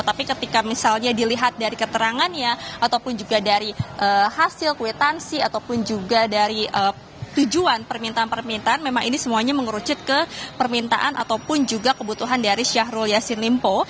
tapi ketika misalnya dilihat dari keterangannya ataupun juga dari hasil kwetansi ataupun juga dari tujuan permintaan permintaan memang ini semuanya mengerucut ke permintaan ataupun juga kebutuhan dari syahrul yassin limpo